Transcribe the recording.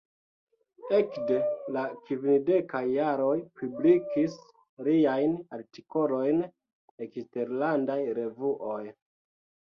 Ekde la kvindekaj jaroj publikis liajn artikolojn eksterlandaj revuoj.